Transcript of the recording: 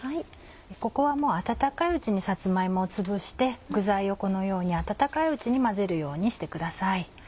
ここはもう温かいうちにさつま芋をつぶして具材をこのように温かいうちに混ぜるようにしてください。